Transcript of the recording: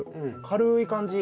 軽い感じ。